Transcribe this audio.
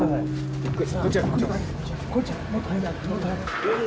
ゆっくり。